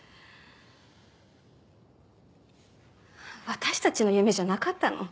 私たちの夢じゃなかったの？